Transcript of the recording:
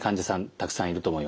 たくさんいると思います。